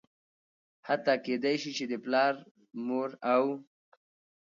حتا کيدى شي چې د پلار ،مور او